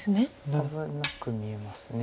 危なく見えます。